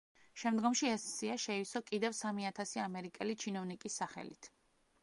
შემდგომში ეს სია შეივსო კიდევ სამი ათასი ამერიკელი ჩინოვნიკის სახელით.